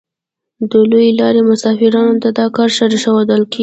د لویې لارې مسافرینو ته دا کرښه ښودل کیږي